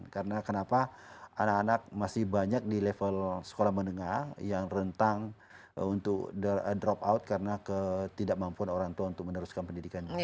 karena kenapa anak anak masih banyak di level sekolah menengah yang rentang untuk drop out karena ke tidak mampu orang tua untuk meneruskan pendidikannya